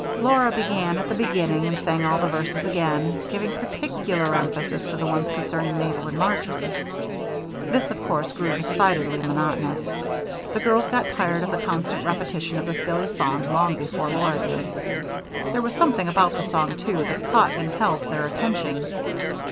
Laura began at the beginning and sang all the verses again, giving particular emphasis to the ones concerning Mabel and Marjory. This, of course, grew decidedly monotonous; the girls got tired of the constant repetition of the silly song long before Laura did. There was something about the song, too, that caught and held their attention.